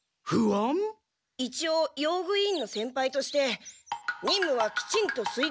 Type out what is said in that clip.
一応用具委員の先輩として任務はきちんとすい